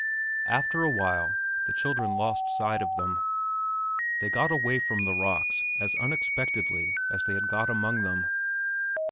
After a while the children lost sight of them. They got away from the rocks as unexpectedly as they had got among them.